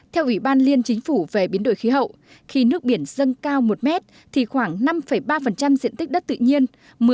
theo ủy ban liên chính phủ về biến đổi khí hậu khi nước biển dâng cao một mét thì khoảng năm ba diện tích đất tự nhiên